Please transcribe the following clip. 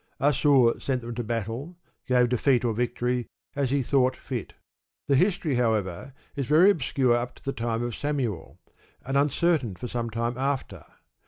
Assur sent them to battle, gave defeat or victory, as he thought fit. The history, however, is very obscure up to the time of Samuel, and uncertain for some time after.